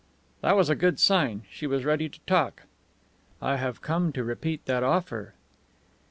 That was a good sign; she was ready to talk. "I have come to repeat that offer."